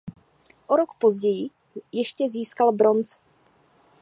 O rok později ještě získal bronz.